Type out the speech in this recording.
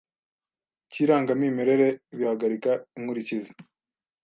cy irangamimerere bihagarika inkurikizi